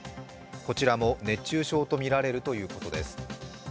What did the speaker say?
こちらも熱中症と見られるということです。